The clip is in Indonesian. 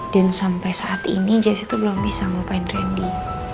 dan sampai saat ini jessy itu belum bisa ngelupain rendy